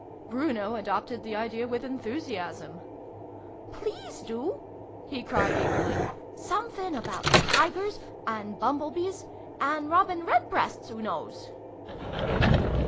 Bruno adopted the idea with enthusiasm. " Please do !" he cried eagerly. " Sumfin about tigers and bumble bees and robin redbreasts, oo knows